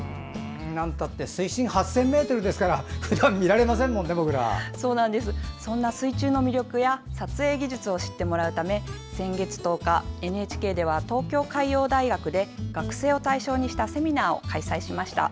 水深８０００ｍですからそんな水中の魅力や撮影技術を知ってもらうため先月１０日、ＮＨＫでは東京海洋大学で学生を対象にしたセミナーを開催しました。